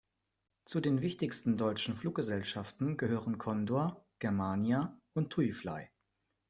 Zu den wichtigsten deutschen Fluggesellschaften gehören Condor, Germania und Tuifly.